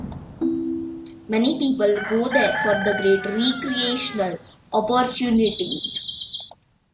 Many people go there for the great recreational opportunities.